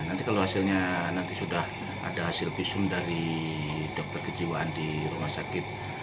nanti kalau hasilnya nanti sudah ada hasil visum dari dokter kejiwaan di rumah sakit